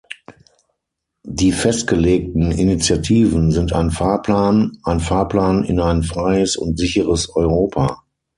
Die festgelegten Initiativen sind ein Fahrplan ein Fahrplan in ein freies und sicheres Europa.